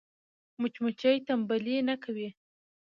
مچمچۍ تنبلي نه کوي